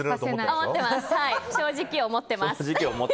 正直、思ってます。